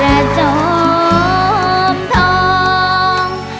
และจอมทอง